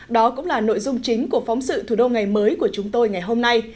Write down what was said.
đó cũng là nội dung chính của phóng sự thủ đô ngày mới của chúng tôi ngày hôm nay